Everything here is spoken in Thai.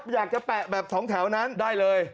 อยากจะแปะแบบ๒แถวนั้นได้เลย